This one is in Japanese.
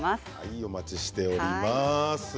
お待ちしております。